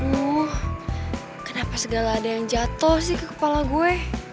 uuh kenapa segala ada yang jatuh sih ke kepala gue